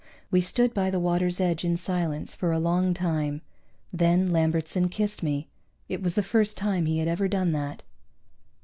We stood by the water's edge in silence for a long time. Then Lambertson kissed me. It was the first time he had ever done that.